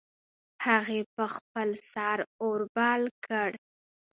هغې په خپل سر اور بل کړ